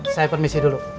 saya permisi dulu